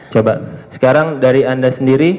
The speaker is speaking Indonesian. coba sekarang dari anda sendiri